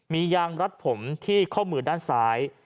มียางรัดผมที่ข้อมือด้านซ้าย